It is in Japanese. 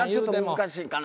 難しいかな。